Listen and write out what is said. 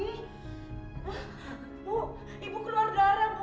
ibu ibu keluar darah bu